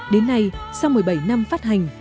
đến nay sau một mươi bảy năm phát hành